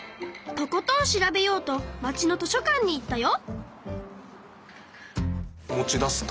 とことん調べようと町の図書館に行ったよ。